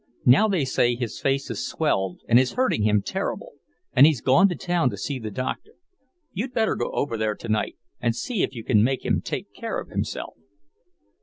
Now they say his face has swelled and is hurting him terrible, and he's gone to town to see the doctor. You'd better go over there tonight, and see if you can make him take care of himself."